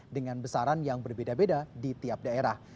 dengan besaran yang berbeda beda di tiap daerah